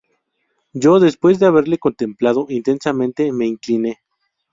yo, después de haberla contemplado intensamente, me incliné.